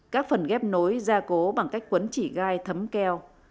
các phần ghép nối gia cố bằng cách quấn chỉ gai thấm keo